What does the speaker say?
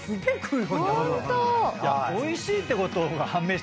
ホント⁉おいしいってことが判明した。